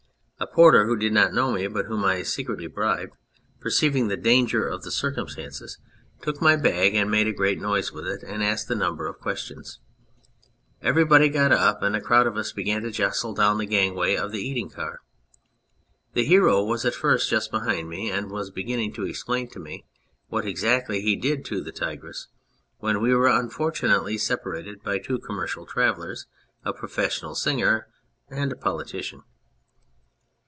A porter who did not know me, but whom I secretly bribed, perceiving the danger of the circumstances, took my bag and 250 The Hunter made a great noise with it and asked a number of questions. Everybody got up, and the crowd of us began to jostle down the gangway of the eating car. The Hero was at first just behind me, and was beginning to explain to me what exactly he did to the tigress when we were unfortunately separated by two commercial travellers, a professional singer, and a politician.